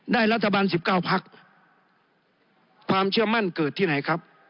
รัฐบาล๑๙พักความเชื่อมั่นเกิดที่ไหนครับ